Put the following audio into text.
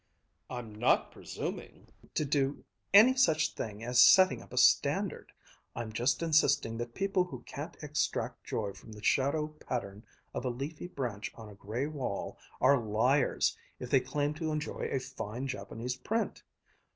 "I'm not presuming to do any such thing as setting up a standard! I'm just insisting that people who can't extract joy from the shadow pattern of a leafy branch on a gray wall, are liars if they claim to enjoy a fine Japanese print.